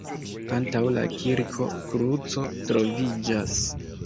Antaŭ la kirko kruco troviĝas.